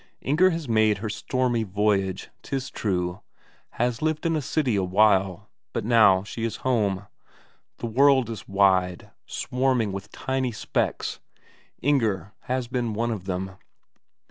Inger has made her stormy voyage, 'tis true, has lived in a city a while, but now she is home; the world is wide, swarming with tiny specks Inger has been one of them.